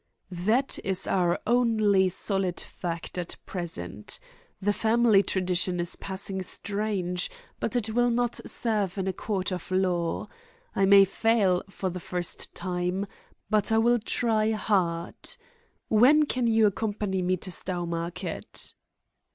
"That is our only solid fact at present. The family tradition is passing strange, but it will not serve in a court of law. I may fail, for the first time, but I will try hard. When can you accompany me to Stowmarket?"